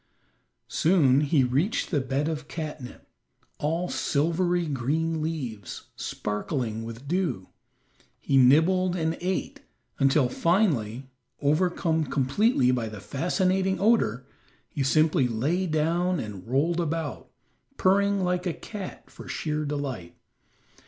Soon he reached the bed of catnip, all silvery green leaves, sparkling with dew. He nibbled and ate, until finally, overcome completely by the fascinating odor, he simply lay down and rolled about, purring like a cat for sheer delight.